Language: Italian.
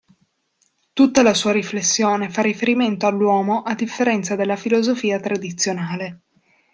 Tutta la sua riflessione fa riferimento all'uomo a differenza della filosofia tradizionale.